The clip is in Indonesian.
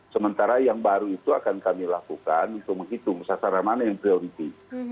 sementara yang baru itu akan kami lakukan untuk menghitung sasaran mana yang priori